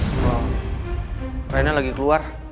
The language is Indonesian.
gila dedy kak raina lagi keluar